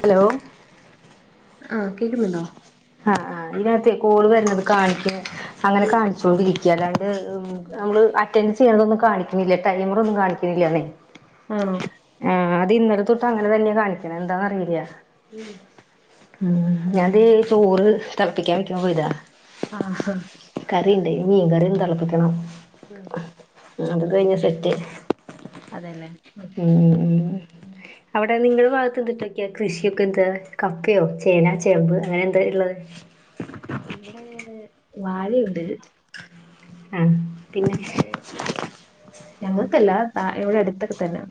Hello ആഹ കേക്കുന്നുണ്ടോ ആഹ് ആഹാ ഇതിനകത്ത് കോള് വരുന്നത് കാണിക്കണ് അങ്ങനെ കാണിച്ചൊണ്ടിരിക്കുക അതായത് നമ്മള് അറ്റൻഡ് ചെയ്യതൊന്നും കാണിക്കണില്ല ടൈമറ ഒന്നും കാണിക്ക ആണോ ആ അത് ഇന്നലെ തൊട്ട് അങ്ങനെ തന്നെയാ കാണിക്കണ എന്താന്ന് അറിയില്ല ഉം ഉ ഞാൻതെ ചോറ് തളപ്പിക്കാൻ വേക്കാൻ പോയതാ ആഹ് കറീണ്ട് മീൻ കറി തിളപ്പിക്കണം ഉ അത് കഴിഞ്ഞ സെറ്റ് അതന്നെ ഉം അവിടെ നിങ്ങളുടെ ഭാഗത്ത് എന്തിട്ടൊക്കെയാ കൃഷിയൊക്കെ എന്താ കപ്പയോ ചേന ചമ്പ് അങ്ങനെ എന്താ ഉള്ളത് ഇവിടെ വാഴയുണ്ട് ആഹ് പിന്നെ ഞങ്ങൾക്കല്ല ഇവിടെ അടുത്തൊക്കെ തന്നെയ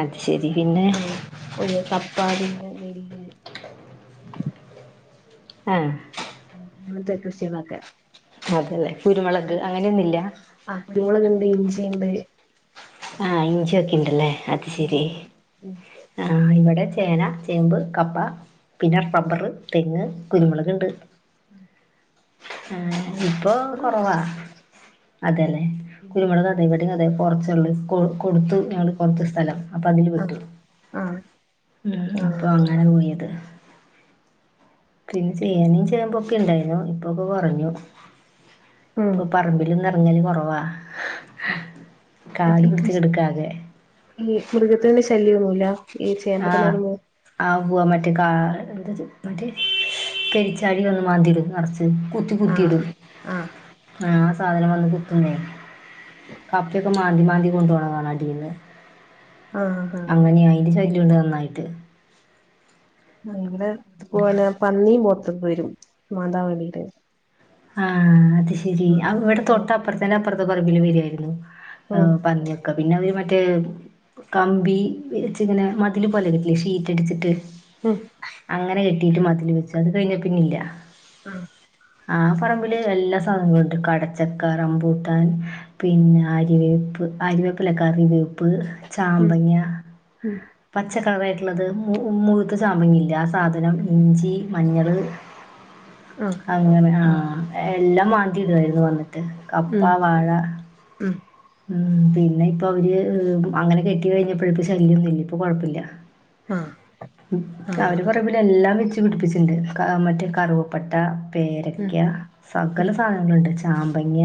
അത് ശരി പിന്നെ ഒരു കപ്പ പിന്നെ നെല്ല് ആഹ് അയന് മാത്രം കൃഷികൾക്കെ അതെല്ലെ കുരുമുളക് അങ്ങനൊന്നുല്ല ആ കുരുമുളക്ണ്ട് ഇഞ്ചിണ്ട് ആ ഇഞ്ചിയൊക്കെണ്ട്ല്ലേ അത് ശെരി ഇഞ്ചിയൊക്കെ ഉണ്ട് ആ ഇവടെ ചേന, ചേമ്പ്, കപ്പ പിന്നെ ഉം ബബ്ബറ്, തെങ്ങ്, ഉം കുരുമുളക്ണ്ട് ആ അയിന് ഇപ്പൊ റബ്ബറ് കൊറവാ കുറച്ചുണ്ട് അതെലെ ഉം കുരുമുളക് അതെ ഇവടേം അതെ കൊറച്ചുള്ളൂ കൊ കൊടുത്തു ഞള് കൊർച്ച് സ്ഥലം അപ്പൊ അതില് പെട്ടു ആഹ് ആഹ് ഉം അപ്പൊ ആഹ് അങ്ങനെ പോയത് പിന്നെ ചേനേം ചേമ്പൊക്കെ ണ്ടായ്ന്നു ഇപ്പൊക്കെ കൊറഞ്ഞു ഉം ഇപ്പൊ പറമ്പിലൊന്ന് എറങ്ങല് കൊറവാ കാട് ഈ പിടിച്ച് കൃഷി കെടക്കാകെ ഈ മൃഗത്തിന്റെ ശല്യൊന്നുല്ല ആ ആ ഉവ്വോ മറ്റേ കാ എന്താ മറ്റേ പെരിച്ചാഴി വന്ന് മാന്തിടും നറച്ച് കുത്തി ആഹ് കുത്തിടും ആഹ് ആ സാധനം വന്ന് കുത്തുന്നേ കപ്പക്കെ മാന്തി മാന്തി കൊണ്ടോണ കാണ അടിന്ന് ആഹ് ആഹ് അങ്ങനെ അയിന്റെ ശല്യണ്ട് നന്നായിട്ട് ഭയങ്കെരെ പോനെ പന്നിം പോത്തൊക്കെ വെരും മാന്താൻ വേണ്ടിട്ട് ആ അത് ശെരി ഇവടെ തൊട്ടപ്പറത്തെന്നെ അപ്പറത്തെ പറമ്പില് വരുവായിരുന്നു ഉം പന്നി ക്ക പിന്നൊര് മറ്റേ കമ്പി വെച്ച്ങ്ങനെ മതില് പോലെ കെട്ടില്ലേ ഷീറ്റടിച്ചിട്ട് ഉം അങ്ങനെ കെട്ടിട്ട് മതില് വെച്ചു അത് കഴിഞ്ഞ പിന്നില്ല ആ ആ പറമ്പില് എല്ലാ സാധനങ്ങളുണ്ട് കടച്ചക്ക, റമ്പൂട്ടാൻ പിന്നെ ആരിവേപ്പ് ആരിവേപ്പല്ലകറിവേപ്പ് ഉം ചാമ്പങ്ങ്യ ഉം പച്ചക്കളറായിട്ടുള്ളത് മു മുഴുത്ത ചാമ്പങ്ങല്ലെ ആ സാധനം ഇഞ്ചി, മഞ്ഞള് ആ അങ്ങനെ ആ എല്ലാം മാന്തിടായിരുന്നു വന്നിട്ട് കപ്പ, ഉം വാഴ ഉം ഉം പിന്നെ ഇപ്പൊവര് അങ്ങനെ കെട്ടി കഴിഞ്ഞപ്പോ പ്പൊ ശല്യോന്നുല്ല ഇപ്പൊ കൊഴപ്പല്ല ആ ഉം അവര് പറയുമ്പോലെ എല്ലാം വെച്ച് പിടിപ്പിച്ചിണ്ട് ക മറ്റേ കറുവപ്പട്ട ഉം പേരക്ക സകല ഉം സാധനങ്ങളുണ്ട് ചാമ്പങ്ങ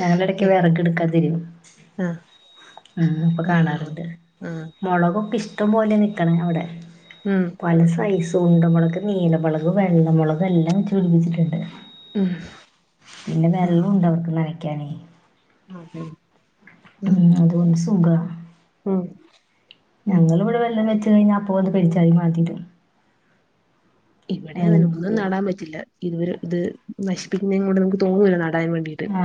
ഞങ്ങള് എടക്ക് ശരിയാണ് വെറകെടുക്കാൻ തിരിയും ആഹ് ഉം അപ്പൊ ആഹ് കാണാറ്ണ്ട് ആഹ് മൊളകൊക്കെ ഇഷ്ടം പോലെ നിക്കണെ അവടെ ഉം പല സൈസ് ഉണ്ടമൊളക്, നീലമൊളക്, വെള്ളമൊളക് എല്ലാം വെച്ച് പിടിപ്പിച്ചിട്ട്ണ്ട് ഉം പിന്നെ വെള്ളുണ്ട് അവർക്ക് നനയ്ക്കാനെ ആ ഹ ഹ ഉം അത് കൊണ്ട് സുഖാ ഉം ഉം ഞങ്ങള്വടെ വല്ലതും വെച്ച് കഴിഞ്ഞാ അപ്പൊ വന്ന് പെരിച്ചായി മാന്തിടും ഇവടെ ഉം, അതെന്നെ ഒന്നും നടാൻ പറ്റില്ല ഇത് വെരെ ത് നശിപ്പിക്കുന്നെങ്ങൊണ്ട് നമുക്ക് തോന്നൂല നടാൻ വേണ്ടി ആ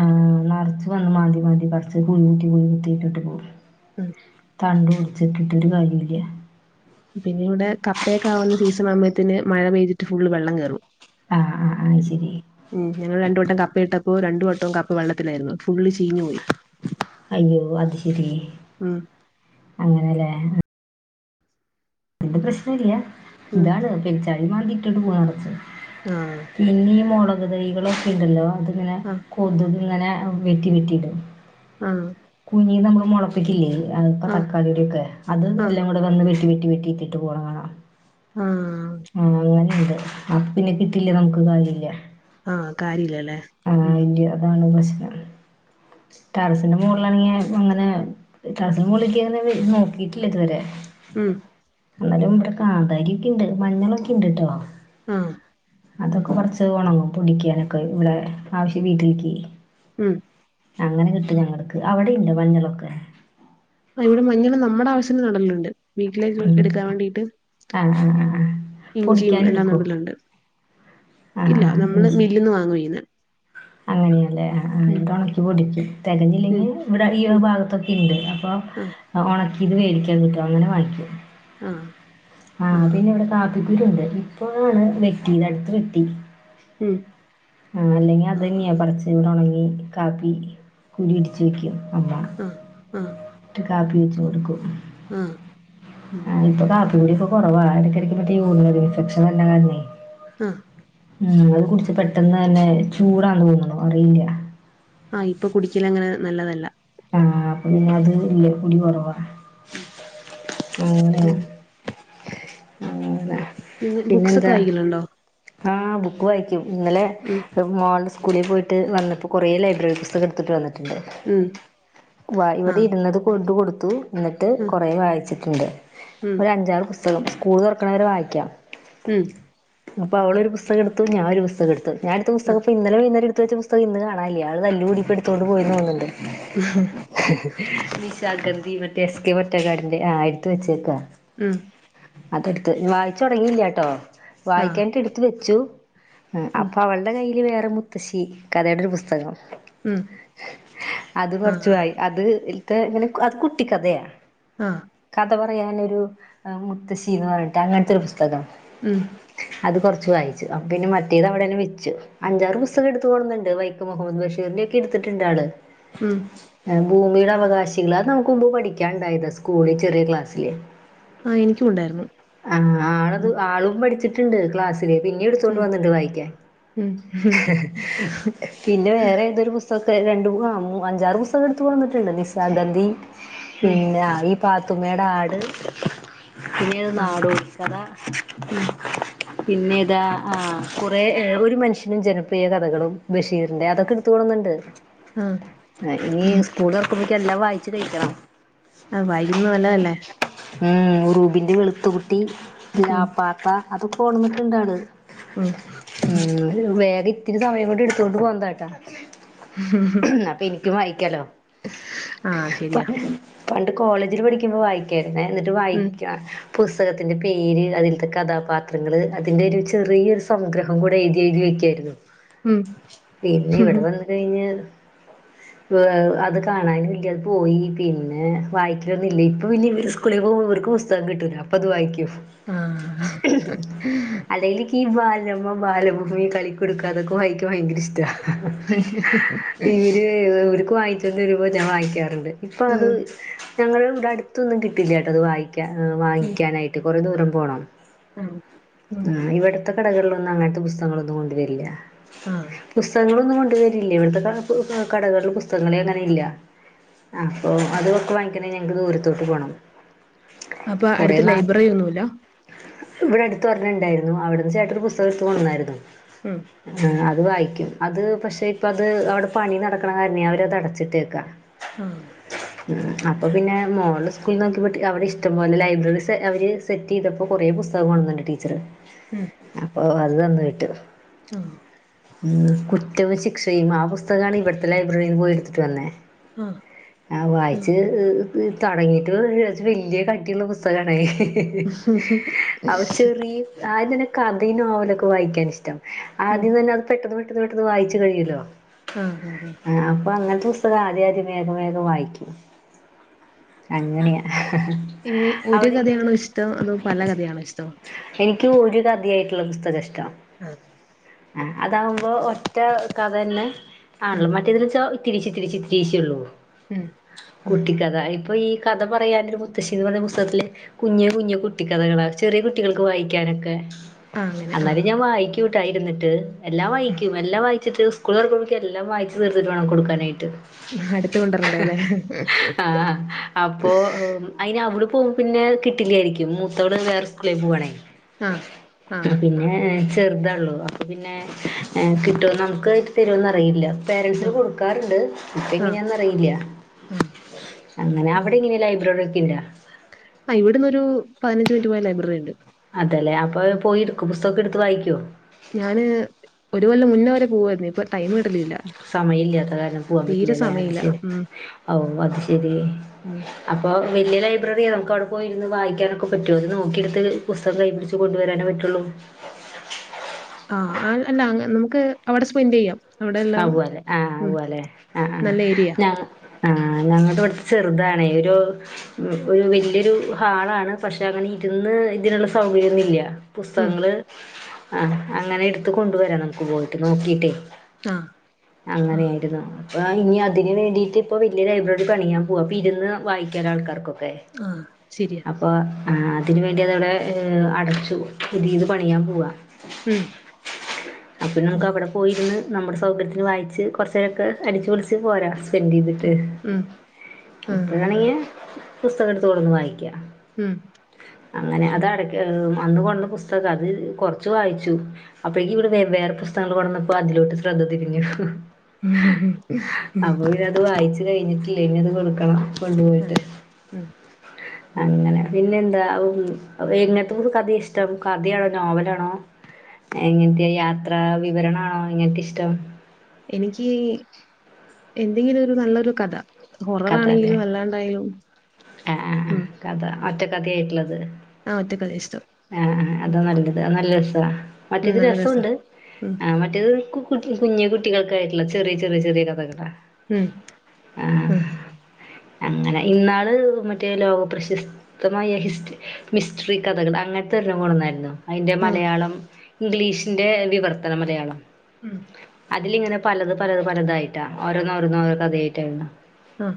നർച്ച് വന്ന് മാന്തി മാന്തി പർച്ച് കുഴി കൂട്ടി കുഴി കൂട്ടിട്ട് പോവും ഉം തണ്ടൊടിച്ചിട്ടിട്ട് ഒരു കാര്യോല്ല പിന്നെ ഇവിടെ കപ്പയൊക്കാകുന്ന സീസണാകുമ്പത്തേന് മഴ പെയ്തിട്ട് ഫുള്ള് വെള്ളം കേറും ആ ആ അത് ശെരി ഉം ഞങ്ങൾ രണ്ടുവട്ടം കപ്പ ഇട്ടപ്പോ രണ്ടുവട്ടം കപ്പ വെള്ളത്തിലായിരുന്നു ഫുള്ള് ചീഞ്ഞു പോയി അയ്യോ അത് ശെരി ഉം അങ്ങനെ ല്ലേ പിന്നെ പ്രശ്നം ഇല്ല്യ ഉം ഇതാണ് പെരിച്ചാഴി മാന്തിട്ട് ഇട്ടോണ്ട് പോണത് ആണ് പ്രശ്നം ആഹ് പിന്നെ ഈ മുളക് തൈകള് ഒക്കെ ഇണ്ടല്ലോ അതിങ്ങനെ ആഹ് കൊതുക് ഇങ്ങനെ വെട്ടി വെട്ടി ഇട ആഹ് കുഞ്ഞിയത് നമ്മള്മൊളപ്പിക്കില്ലേ അപ്പ ആഹ് തക്കാളി ഒക്കെ അത് ആഹ് എല്ലാം കൂടെ വന്ന് വെട്ടി വെട്ടി വെ ട്ടിട്ട് പോണ കാണാമം ആഹ് ആഹ് അങ്ങനെ എണ്ട് അപ്പ പിന്നെ കിട്ടിട്ട് നമുക്ക് കാര്യ ഇല്ല ആഹ് കാര്യല്ലല്ലേ ആഹ് ഉം ഇന്റെ അതാണ് പ്രശ്നം [inaudible] ടറസിന്റെ മുകളില് ആണെങ്കില് അങ്ങനെ ടറസിന്റെ മുകളിലേക്ക് കേറി നോക്കിയിട്ട് ഇല്ല ഇതുവരെ ഉം എന്നാലും ഇവിടെ കാന്താരി ഒക്കെ ഇണ്ട് മഞ്ഞളൊക്കെ ഇണ്ട് ട്ടോ ആഹ് ഉം അതൊക്കെ പറിച്ച് ഒണങ്ങും പൊടിക്കാന് ഒക്കെ ഇവിടെ ആവിശ്യം വീട്ടിൽക്ക് ഉം അങ്ങനെ കിട്ടും ഉം ഞങ്ങൾക്ക് അവിടെ ണ്ട് മഞ്ഞള് ഒക്കെ ആ ഇവിടെ മഞ്ഞള് നമ്മടെ ആവശ്യത്തിന് നടലുണ്ട് വീട്ടിലേക്ക് എടുക്കാൻ ആഹ് വേണ്ടിട്ട് ആഹ് ആഹ് ഇഞ്ചിയും എല്ലാം പൊടിക്കാനെടുക്കോ നടലുണ്ട് ആഹ് ഇല്ല ആഹ് നമ്മള് ഇഞ്ചി മില്ലിന്ന് വാങ്ങുവായിരുന്നു അങ്ങനെയല്ലേ ഉണക്കി പൊടിക്കും ഉം തികഞ്ഞില്ലെങ്കിൽ ഇവിടെ ഈ ഒരു ഉം ഭാഗത്തൊക്കെണ്ട് അപ്പ ആഹ് ഒണക്കി ഇത് വേടിക്കാൻ കിട്ടും അങ്ങനെ വാങ്ങിക്കും ആഹ് ആഹ് പിന്നെ ഇവിടെ കാപ്പിക്കുരു ഇണ്ട് ഇപ്പോണ് വെട്ടിത് അടുത്ത് വെട്ടി ഉം ആ അല്ലെങ്കിൽ അത് ആഹ് തന്നെയാ പറിച്ച് കൂടെ ഉണങ്ങി കാപ്പി കുരു ഇടിച്ച് വെക്കും അമ്മ ആഹ് ആഹ് ഇട്ട് കാപ്പി വെച്ച് ആഹ് കൊടുക്കും ആഹ് ഉം ആ ഇപ്പ കാപ്പി കൂടി ഒക്കെ കൊറവാണ് എടക്ക് എടക്ക് ഒക്കെ യൂറില് ഇൻഫെക്ഷൻ വരണ കാരണേ ആഹ് ഉം അത് കുടിച്ച് പെട്ടെന്ന് തന്നെ ചൂടാണ് തോന്നുന്നു അറിയില്ല ആഹ് ഇപ്പൊ കുടിക്കലങ്ങനെ നല്ലതല്ല ആഹ് അപ്പൊ ഉം പിന്നെ അത് ലെകൂടി കുറവാ അ ഉം അങ്ങനെ പിന്നെ ബുക്‌സൊക്കെ വായിക്കലുണ്ടോ ആഹ ബുക്ക് വായിക്കും ഇന്നലെ ഉം ഇപ്പോ മോൾടെ സ്കൂളിൽ പോയിട്ട് വന്നപ്പോൾ കുറെ ലൈബ്രറി പുസ്ത എടുത്തിട്ട് വന്നു ട്ടുണ്ട് ഉം ഇവിടെ ആഹ് ഇരുന്നത് കൊണ്ട് കൊടുത്തു എന്നിട്ട് ഉം കൊറെ വായിച്ചിട്ട ണ്ട് ഉം ഒരു അഞ്ചാറ് പുസ്തകം സ്കൂൾ തുറക്കണവരെ വായിക്കാം ഉം അപ്പൊ അവളൊരു പുസ്തകം എടുത്തു ഞാനൊരു പുസ്തകം എടുത്തു ഞാനെടുത്ത ആഹ് പുസ്തകം ഇന്നലെ വൈന്നേരം എടുത്ത വച്ച പുസ്തകം ഇന്ന്കാണാല്യ അത് തല്ലു കൂടിയപ്പോഎടുത്തോണ്ട് പോയി തോന്നുണ്ട് [inaudible] നിശാഗന്ധി മറ്റേ എസ് കെ പൊറ്റക്കാടിന്റെ ആഹ എടുത്ത വെച്ചേക്കാ ഉം അതെടുത്ത് വായിച്ചു തുങ്ങിയില്ലാട്ടോ ആഹ് വായിക്കാനായിട്ട് എടുത്ത് വെച്ചു ഉം അപ്പൊ അവളുടെ കയ്യിൽ വേറെ മു ത്തശി കഥെടെ ഒരു പുസ്തകം ഉം അത് കൊറച്ചു ആഹ് വായി അത് അത് കുട്ടികഥയാ ആഹ് കഥ പറയാനൊരുഎഹ്മുത്തശ്ശി എന്ന് പറഞ്ഞിട്ട് അങ്ങനത്തെ ഒരു പുസ്തകം ഉം അത് കൊറച്ചു വായിച്ചു അപ്പൊ പിന്നെ മറ്റേത് അവിടെന്നെ വെച്ചു അഞ്ചാറ് പുസ്തകെട്ത്ത് കൊട്ന്ന്ണ്ട് വൈക്കം മുഹമ്മദ് ബഷീറിന്റെക്കെട്ത്തിട്ട്ണ്ടാള്. ഉം ഏഹ് ഭൂമിയുടെ ആഹ് അവകാശികൾ അത് നമക്ക് മുമ്പേ പഠിക്കാൻണ്ടായതാ സ്കൂളി ചെറ്യേ ക്ലാസ്സില്. ആഹ് ഇൻക്കുണ്ടായിര്ന്നു. ആഹ് ആളത് ആളും പഠിച്ചിട്ട്ണ്ട് ക്ലാസ്സി സില് പിന്നീട്ത്തോണ്ട് ഉം വന്ന്ത് വായിക്ക്യാൻ ഉം ഉം പിന്നെ വേറെതൊരു പുസ് സൊക്കെ രണ്ട്മൂന്നാ മൂ അഞ്ചാറ് പുസ്തകെട്ത്ത് വന്ന്ട്ട്ണ്ട് നിശാഗന്ധി ഉം പിന്നെ അയി പാത്തുമ്മയുടെ ആട് പിന്നേത് ആഹ് നാടോടികഥ [inaudible] പിന്നെതാ ആഹ് കുറെ ഏഹ് ഒരു മനുഷ്യനും ജനപ്രിയ കഥകളും ബഷീറിന്റെ അതൊക്കെട് തോണ്ന്ന്ണ്ട് ആഹ് എഹ് ഇനി സ്ക്കൂളൊർക്കുമ്പോക്കി എല്ലാം വായിച്ച് കഴിക്കണം. ആഹ് വായിക്കുന്നെ നല്ലതല്ലേ ഉം ഉറൂബിന്റെ വെളുത്ത കുട്ടി ഉം ലാപ്പാപ്പ അതൊക്കെ കൊണ്ടോന്ന്ട്ട്ണ്ടാള്. ഉം ഉം വേഗം ഇത്തിരി സമയം കൊണ്ട് ഇട്ത്തൊണ്ട് പോന്നതാട്ട. അപ്പൊ ഇൻക്കും വായിക്കലോ ആഹ് ശരിയാ [unintelligible] പണ്ട് കോളേജില് പഠിക്കുമ്പോ വായിക്കായിര്ന്നേ ന്നട്ട് ഉം വായിക്കാ പുസ്തകത്തിന്റെ പേര് അതിൽത്തെ കഥാപാ ത്രങ്ങള് അതിൻ്റൊരു ചെറിയൊരു സംഗ്രഹം കൂടെ എഴ്തി എഴ്തി വെക്ക്യായിര്ന്നു. ഉം പിന്നെ ഇവടെ വന്ന് കഴിഞ്ഞ് ഉ [inaudible] [inaudible] പ്പൊ അത് കാണാനില്ല അത് പോയി പിന്നെ വായിക്കലൊന്നുല്ല്യെ ഇപ്പൊ പിന്നെ ഇവര് സ് കൂളിക്കൂ [unintelligible] ഇവര് പുസ്തകം കിട്ടൂല്ലെ അപ്പത് വായിക്ക്യും. ആഹ് അല്ലെല് ഈ ബാലരമ, ബാലഭൂമി, കളിക്കൂടുക്ക അതൊക്ക വായിക്കാൻ ഭയങ്കരിഷ്ടാ. ഇവര് ഇവര്ക്ക് വാങ്ങിച്ചോണ്ട് വരുമ്പോ ഞാൻ വായിക്കാറുണ്ട്. ഇപ്പൊ അത് ഉം ഞങ്ങള് ഇവടെ അട്ത്തൊന്നും കിട്ടില്ലാട്ടോ അത് വായിക്കാ എഹ് ഉം വാങ്ങിക്കാനായി ട്ട് കൊറേ ദൂരം പോണം. ആഹ് ഉം ആഹ് ഇവട്ത്തെ കടകളിലൊന്നും അങ്ങൻത്തെ പുസ്തകങ്ങളൊന്നും കൊണ്ടുവരില്ല. ആഹ് പുസ്തകങ്ങളൊന്നും കൊണ്ട് വരില്ല ഇവട്ത്തെ കാ കു കാ കടകൾള് പുസ്തകങ്ങളെ അങ്ങനെ ഇല്ല. അപ്പൊ അതൊക്കൊ വാങ്ങിക്കണേ ഞങ്ങക്ക് ദൂരത്തോട്ട് പോണം കൊറേ ന [unintelligible] ന്നുല്ല. ഇവടെ അട്ത്ത് ഒരെണ്ണണ്ടായിര്ന്നു അവട്ന്ന് ചേട്ടന് പുസ്തകെട്ത്ത് കൊട്ന്നായിര്ന്നു. ഉം ആഹ് അത് വായിക്കും അത് പക്ഷെ ഇപ്പത് അവടെ പണി നടക്കണ കാരണേ അവരത് അടച്ചിട്ടേക്കാ. ഉം ഉം അപ്പൊ പിന്നെ മോള് സ്കൂൾ നോക്കി വിട്ട് അവടെ ഇഷ്ടം പോലെ ലൈബ്രറീസ് അവര് സ് സെറ്റെയ്തപ്പോ കൊറെ പുസ്തകം കൊട്ന്ന്ണ്ട് ടീച്ചറ് ഉം അപ്പൊ അത് തന്ന് വിട്ട്. ഉം ഉം കുറ്റവും ശിക്ഷയും ആ പുസ്തകാണ് ഇവട്ത്തെ ലൈബ്രറിയില് പോയി ഇട്ത്ത്ട്ട് വന്നേ. ഉം ആഹ് വായിച്ച് എഹ് എഹ് തൊടങ്ങിയിട്ട് [unintelligible] കൊർച്ച് വെല്ല്യെ കട്ടിള്ള പുസ്തകണത്. ഉം ഉം അവ ചെറിയ ആദ്യം തന്നെ കഥയും നോവലൊക്കെ വായിക്കാനിഷ്ടം ഉം ആദ്യം തന്നെ അത് പെട്ടെന്ന് പെ ട്ടെന്ന് പെട്ടെന്ന് വായിച്ച് കയ്യൊല്ലോ. ആഹ് ആഹ് ആഹ് ആഹ് അപ്പൊ അങ്ങൻത്തെ പുസ്തകം ആദ്യം ആദ്യം വേഗം വേഗം വായിക്കും. അങ്ങനെയാ ഈ ഒരു അവിടെ കഥയാണോ ഇഷ്ടം അതോ പല കഥയാണോ ഇഷ്ടം? എനിക്ക് ഒരു കഥയായിട്ട്ള്ള പുസ്തകാഷ്ടം. ആഹ് ആഹ് അതകുമ്പോ ഒറ്റ കഥ തന്നെ ആണല്ലോ ഉം മറ്റ മറ്റേതിലിചൊ ഇതിരിച്ച് ഇതിരിച്ചി ഇത്തിരീച്ചിഒള്ളൂ ഉം ഉം കൂട്ടിക്കഥ ഇപ്പൊ ഈ കഥ പറയാനൊരു മുത്ത്ശിന്ന് പറഞ്ഞ പുസ്തകത്തില് കുഞ്ഞേ കുഞ്ഞേ കുട്ടി കഥകളാ ചെറിയ കുട്ടികൾക്ക് വായിക്കാനൊക്കെ ആഹ് അങ്ങനെ ആഹ് അന്നാലും ഞാൻ വായിക്കൂട്ടായിരുന്നിട്ട് എല്ലാം വായിക്കും എല്ലാം വായിച്ചിട്ട് സ്കൂൾ തുറക്കുമ്പോക് എല്ലാം വായിച്ച് തീർത്തിട്ട് വേണം കൊടുക്കാനായിട്ട് അടുത്ത് കൊണ്ടരണ്ടല്ലേ ആഹ് അപ്പൊ അയിന് അവള് പോക്മ്പോ പിന്നെ കിട്ടില്യായിരിക്കും മുത്തവള് വേറെ സ്കൂളിൽ പോവവാണേ. ആഹ് ആഹ് പിന്നെ ചെറ്തൊള്ളൂ അപ്പൊ പിന്നെ കിട്ടുന്ന് നമുക് തരോന്നറിയില്ല പേരന്സിന് ആഹ് കൊടുക്കാറുണ്ട് ആഹ് ആഹ് ഇപ്പങ്ങനെയാന്നറിയില്ല ആഹ് അങ്ങനെ അവിടെ ഇങ്ങനെ ലൈബ്രറി ഒക്കെ ഇണ്ടാ ആഹ് ഇവിടന്നൊരു പതിനഞ്ച് മിനിറ്റ് പോയാ ലൈബ്രറി ണ്ട്. അതെല്ലേ അപ്പൊ പോയിടുക്കും പുസ്തകൊക്കെ ഇടുത്ത് വായിക്കോ? ഞാന് ഒരുകൊല്ലം മുന്ന വരെ പോവായിരുന്നു ഇപ്പൊ ടൈം കിട്ടലില്ല. സമയം ഇല്ലാത്ത കാരണം പൂവാ തീരെ പറ്റില്ലല്ലേ അത് സമയമില്ല ശരി ഉം ഔ അത് ശരി. ഉം അപ്പോ വലിയ ലൈബ്രറിയ നമുക്ക് അവിടെ പോയിരുന്ന് വായിക്കാനൊക്കെ പറ്റുമോ? നോക്കിയെടുത്ത് പുസ്തകം കൈയിപിടി കൊണ്ടുവരാനേ പറ്റുള്ളൂ ആഹ് അല്ല നമുക്ക് അവിടെ സ്പെന്റെയ്യാം ആവ് അല്ലേ ആഹ് അല്ലെ ആഹ് ആ നല്ല ഏരിയ ഞ ആഹ് ഞങ്ങടെ ഇവിടെ ചെറുതാണേ ഒരു ഒരു വല്യൊരു ഹാളാണ്. പക്ഷെ അങ്ങനെ ഇരുന്ന് ഇതിനുള്ള സൗകര്യൊന്നും ഇല്യ. ഉം പുസ്തകങ്ങള് അങ്ങനെ ഇട്ത്ത് കൊണ്ടുവരണം നമുക്ക് പോയിട്ട് നോക്കിയിട്ടേ. ആഹ് ആഹ് അങ്ങനെയായിരുന്നു ഇനി അതിന് വേണ്ടിയിട്ട് ഇപ്പൊ വലിയ ലൈബ്രറി പണിയാൻ പോവാ അപ്പൊ ഇരുന്ന് വായിക്കാൻ ആൾക്കാർക്കൊക്കെ ആഹ് ശരിയാ അപ്പോ അതിന് വേണ്ടി അതവിടെ അടച്ചു പുതിയത് പണിയാൻ പോവ. മ് അപ്പം നമുക്ക് അവിടെ പോയിരുന്ന് നമ്മുടെ സൗകര്യത്തിന് വായിച്ച് കുറച്ച് നേരൊക്കെ അടിച്ചുപൊളിച്ച് പോരാം. സെന്റ് ചെയ്തിട്ട് ഉം ആഹ് ഇപ്പഴാണങ്കി പുസ്തകം ഇടത്ത്കൊട്ന്ന് വായിക്ക ഉം അങ്ങനെ അതട് അന്ന് കൊട്ന്ന പുസ്തകം അത് കൊറച്ച് വായിച്ചു അപ്പോഴേക്കും ഇവിടെ വേറെ പുസ്തകങ്ങങ്ങള് കൊണ്ടുന്നപ്പോ അതിലോട്ട് ശ്രദ്ധ തിരിഞ്ഞു ഉംഉം അപ്പൊ പിന്നെ അത് വായിച്ചു കഴിഞ്ഞിട്ടില്ല ഇനിഅത് കൊടുക്കണം കൊണ്ടപോയിട്ട് അതെ ഉം ഉം. അങ്ങനെ പിന്നെ എന്താ എങ്ങനത്തെ ഒരു കഥ ഇഷ്ടം കഥയാണോ നോവലാണോ എങ്ങനത്തെ യാത്രാ വിവരണാണോ എങ്ങനത്തെ ഇഷ്ടം എനിക്ക് എന്തെങ്കിലും ഒരു നല്ലൊരു കഥ ത് കഥ അല്ലേ ഹൊറവാണെങ്കിലും അല്ലാണ്ടായാലും ആഹ് ആഹ് ആഹ് ഉം കഥ ഒറ്റ കഥയായിട്ടുള്ളത് ആ ഒറ്റ കഥയ ഇഷ്ടം ആഹ് ആ ഉം അതാ നല്ലത് അത്‌ നല്ല രസാ ഉം, മറ്റേത് നല്ല രസാ രസൊണ്ട് ഉം ആ മ മറ്റേത് കു കുഞ്ഞു കുട്ടികൾക്കായിയിട്ടുള്ള ചെറിയ ചെറിയ ചെറിയ കഥകളാ ഉം ആഹ് അങ്ങനെ ഇന്നാള് മറ്റേ ലോക പ്രശസ്തമായ ഹിസ്റ്ററി മിസ്ട്രി കഥകൾ അങ്ങനത്തെ ഒരെണ്ണം കൊട്ന്നാരുന്നു അയിന്റെ ആഹ് മലയാളം ഇംഗ്ലീഷിന്റെ വിവർത്തന മലയാളം ഉം അതിലിങ്ങനെ പലത് പലത് പലതായിട്ടാ ഓരോന്ന്ഓരോ കഥ ആയിട്ടാവരുന്നത് ആഹ്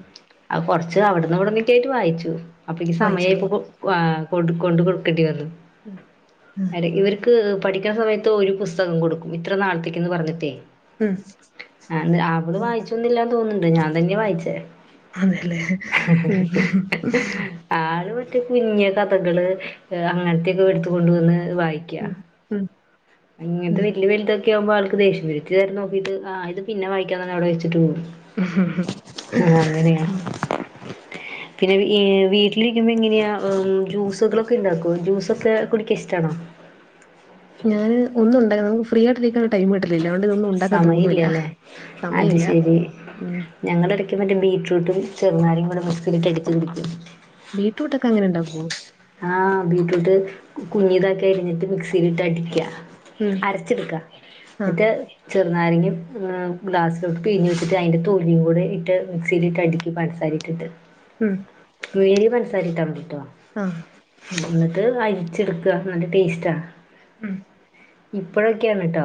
ആ കൊറച്ച് അവിടന്ന് ഇവിടന്നക്കെ ആയിട്ട് വായിച്ചു അപ്പൊ എനിക്ക് സമയ വായിച്ചോളൂ ഇപ്പൊ ആ കൊണ്ട് കൊടുക്കേണ്ടി വന്നു ഉം ഉം അ ഇവരിക്ക് പഠിക്കുന്ന സമയത്ത് ഒരു പുസ്തകം കൊടുക്കും ഇത്ര നാളത്തേക്ക്ന്ന് പറഞ്ഞിട്ടേ ഉം. ആ അവള് ഉം. വായിച്ചോന്നില്ലന്ന് തോന്നുന്നുണ്ട് ഞാൻ തന്നെയ വായിച്ചേ അതെല്ലേ ഉം ഉം ആള് മറ്റേ കുഞ്ഞ കഥകൾ അങ്ങനത്തെയൊക്കെ എടുത്തു കൊണ്ടുവന്ന് വായിക്കും ക്യ ഉം ഉം ഇങ്ങനത്തെ ഉം. വലിയ വലുതൊക്കെ ആവുമ്പൾക്ക് ആൾക്ക് ദേഷ്യ വരുംകേറി നോക്കിട്ട് ഇത് പിന്നെ വായിക്കാന്ന് പറഞ്ഞ്അവിടെ വെച്ചിട്ട് പോകും ഉം ഉം ആ അങ്ങനെയാണ് പിന്നെ വീട്ടിലിരിക്കുമ്പോ ഇങ്ങനെയാ ജൂസുകളൊക്കെ ഉണ്ടാക്കോ ജ്യൂസൊക്കെ കുടിക്കാന് ഇഷ്ടണോ ഞാന് ഒന്നുണ്ട് നമുക്ക് ഫ്രീയായിട്ട് ടൈം കിട്ടുന്നില്ല അതുകൊണ്ട് ഇതൊന്നും ഉണ്ടാക്കാൻ തോന്നൂല്ല സമയമില്ലല്ലേ സമയമില്ല ഉം ഞങ്ങള് ഇടയ്ക്കു മറ്റേ ബീടറൂട്ടും ചെറുനാരങ്ങേം കൂടെ മിക്സിലിട്ട് അടിച്ചു കുടിക്കും. ബീടറൂട്ടക്കെ അങ്ങനെ ഉണ്ടാക്കോ? ആഹ് ബീറ്റ്റൂട്ട് കുഞ്ഞു ഇതാക്കി അരിഞ്ഞിട്ട് മിക്സിയിലിട്ട് അടിക്കാ. ഉം അരച്ചെടുക്ക ആഹ് ന്ന്ട്ട് ചെറുനാരങ്ങ ഗ്ലാസിലോട്ട് പിഴിഞ്ഞ് വെച്ചിട്ട് അതിൻ്റെ തൊലിയും കൂടെ ഇട്ട് മിക്സിയിലിട്ട് അടിക്കും പഞ്ചസാരയും ത്തിത് ഉം നേരി പന്സാരെ ഇട്ടാ മതീട്ടോ ആഹ് ന്നിട്ട് അരിച്ചെടുക്കുക നല്ല ടേസ്റ്റാണ് ഉം ഇപ്പോഴൊക്കെയാണ് ട്ടോ